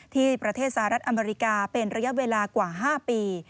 ที่ประเทศสหรัฐอเมริกาเป็นระยะเวลากว่า๕ปี